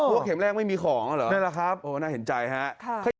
ว่าเข็มแรกไม่มีของเหรอโอ้น่าเห็นใจฮะนั่นแหละครับ